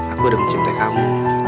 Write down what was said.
aku udah mencintai kamu